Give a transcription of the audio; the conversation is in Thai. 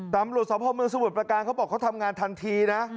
ตามบริษัทสวทธิ์ประการเขาบอกเขาทำงานทันทีนะ